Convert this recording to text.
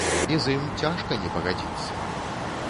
І з ім цяжка не пагадзіцца.